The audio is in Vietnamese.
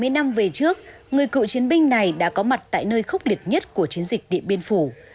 bảy mươi năm về trước người cựu chiến binh này đã có mặt tại nơi khốc liệt nhất của chiến dịch điện biên phủ